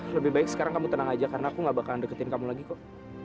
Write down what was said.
lebih baik sekarang kamu tenang aja karena aku gak bakalan deketin kamu lagi kok